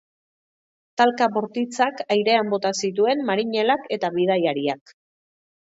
Talka bortitzak airean bota zituen marinelak eta bidaiariak.